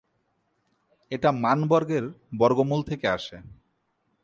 এটা মান বর্গের বর্গমূল থেকে আসে।